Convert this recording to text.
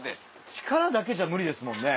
力だけじゃ無理ですもんね。